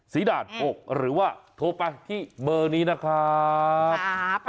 ด่าน๖หรือว่าโทรไปที่เบอร์นี้นะครับ